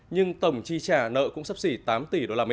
nhưng tổng chi trả nợ cũng sắp xỉ tám tỷ đô la mỹ